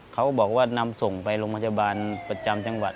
เขาบอกว่านำส่งไปโรงพยาบาลประจำจังหวัด